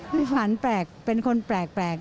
ไม่ฝันแปลกเป็นคนแปลก